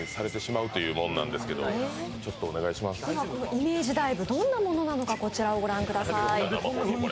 イメージダイブどんなものなのかこちらをご覧ください。